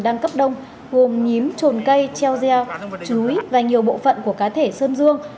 đang cấp đông gồm nhím trồn cây treo reo trúi và nhiều bộ phận của cá thể sơn dương